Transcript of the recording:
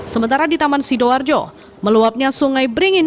sementara di taman sidoarjo meluapnya sungai beringin